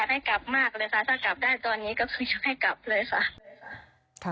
ให้กลับมากเลยค่ะถ้ากลับได้ตอนนี้ก็คืออยากให้กลับเลยค่ะ